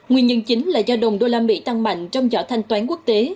nguyên nhân chính là do đồng usd tăng mạnh trong dõi thanh toán quốc tế